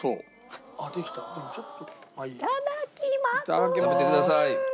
食べてください。